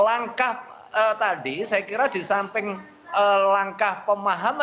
langkah tadi saya kira disamping langkah pemahaman